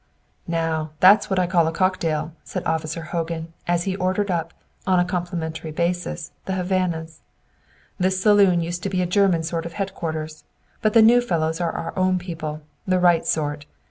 "Now, that's what I call a cocktail," said Officer Hogan, as he ordered up (on a complimentary basis) the Havanas. "This saloon used to be a German sort of headquarters. But the new fellows are our own people, the right sort.